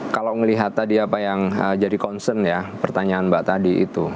kalau melihat tadi apa yang jadi concern ya pertanyaan mbak tadi itu